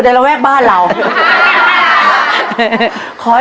ยาย